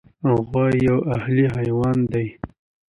غوا یو اهلي حیوان دی.